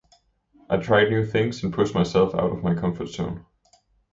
I have tried new things and pushed myself out of my comfort zone.